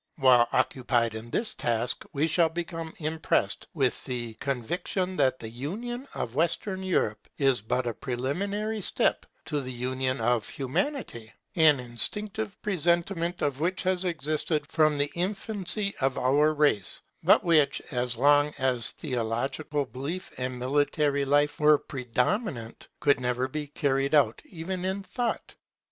While occupied in this task, we shall become impressed with the conviction that the union of Western Europe is but a preliminary step to the union of Humanity; an instinctive presentiment of which has existed from the infancy of our race, but which as long as theological belief and military life were predominant, could never be carried out even in thought.